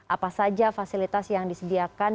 apa saja fasilitas yang disediakan